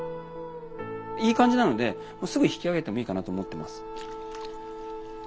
いい感じなのでもうすぐ引き上げてもいいかなと思ってます。